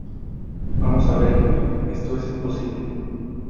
vamos a ver, Julia , esto es imposible.